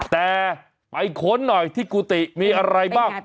แต่ไปค้นหน่อยที่กุฏิมีอะไรบ้าง